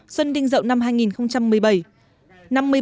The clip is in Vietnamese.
xuân đinh dậu năm hai nghìn một mươi bảy